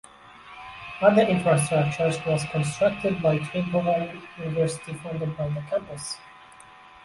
Other infrastructures was constructed by Tribhuvan University funded by the campus.